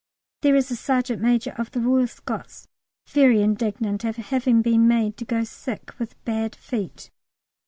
There is a sergeant major of the Royal Scots very indignant at having been made to go sick with bad feet.